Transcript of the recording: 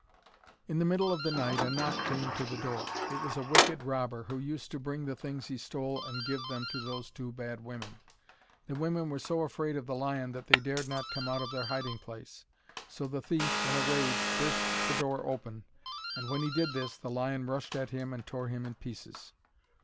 In the middle of the night a knock came to the door. It was a wicked robber, who used to bring the things he stole and give them to those two bad women. The women were so afraid of the lion that they dared not come out of their hiding place. So the thief, in a rage, burst the door open, and when he did this, the lion rushed at him and tore him in pieces.